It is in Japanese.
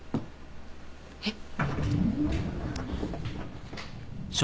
えっ？